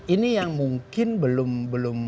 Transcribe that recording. ini yang mungkin belum